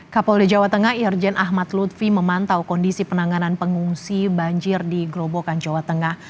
kapolda jawa tengah irjen ahmad lutfi memantau kondisi penanganan pengungsi banjir di grobokan jawa tengah